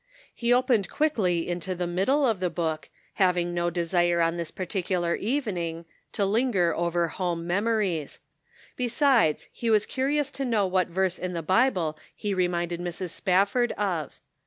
He opened quickly into the middle of the book, having no desire 170 The Pocket Measure. on this particular evening, to linger over home memories ; besides, he was curious to know what verse in the Bible he reminded Mrs. Spafford of.